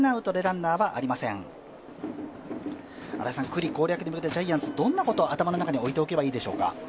九里、攻略に向けてジャイアンツはどんなことを頭に置いておけばいいでしょうか？